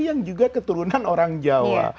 yang juga keturunan orang jawa